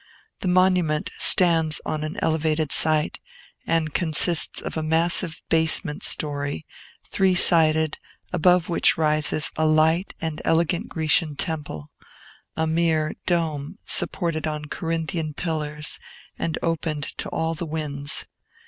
The monument stands on an elevated site, and consists of a massive basement story, three sided, above which rises a light and elegant Grecian temple, a mere dome, supported on Corinthian pillars, and open to all the winds.